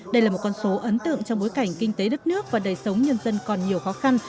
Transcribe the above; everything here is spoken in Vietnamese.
đây là một con số ấn tượng trong bối cảnh kinh tế đất nước và đời sống nhân dân còn nhiều khó khăn